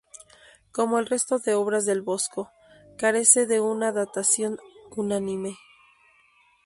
Como el resto de obras del Bosco, carece de una datación unánime.